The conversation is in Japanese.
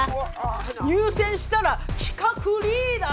入選したら企画リーダー！？